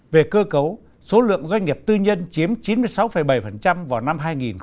về cơ cấu số lượng doanh nghiệp tư nhân chiếm chín mươi sáu bảy vào năm hai nghìn một mươi